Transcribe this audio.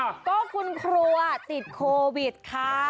ก็คุณครัวอ่ะติดคอวิดค่ะ